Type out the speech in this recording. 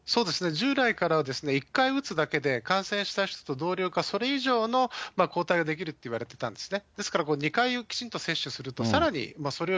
従来からは、１回打つだけで、感染した人と同量かそれ以上の抗体が出来るっていわれてたんですね、